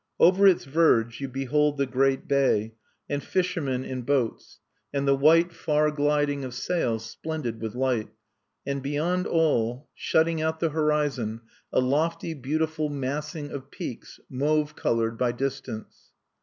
Over its verge you behold the great bay, and fishermen in boats, and the white far gliding of sails splendid with light, and beyond all, shutting out the horizon, a lofty beautiful massing of peaks mauve colored by distance.